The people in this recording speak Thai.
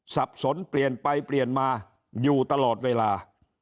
สับสนเปลี่ยนไปเปลี่ยนมาอยู่ตลอดเวลา